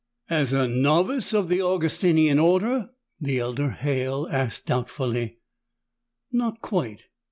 "As a novice of the Augustinian Order?" the elder Halle asked doubtfully. "Not quite."